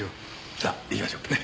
さあ行きましょう。ね？